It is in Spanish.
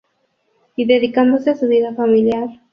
Y dedicándose a su vida familiar.